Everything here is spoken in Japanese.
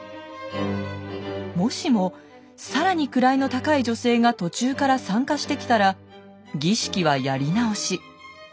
もしも更に位の高い女性が途中から参加してきたら儀式はやり直し。